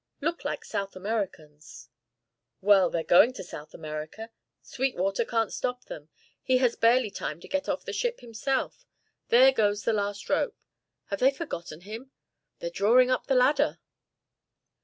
Look like South Americans." "Well, they're going to South America. Sweetwater can't stop them. He has barely time to get off the ship himself. There goes the last rope! Have they forgotten him? They're drawing up the ladder."